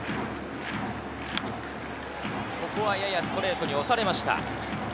ここはややストレートに押されました。